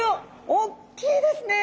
おっきいですね！